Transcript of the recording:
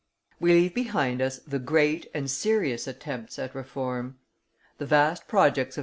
We leave behind us the great and serious attempts at reform. The vast projects of M.